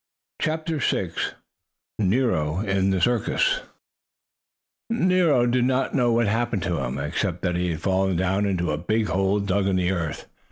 CHAPTER VI NERO IN A CIRCUS Nero did not know what had happened to him, except that he had fallen down into a big hole dug in the earth.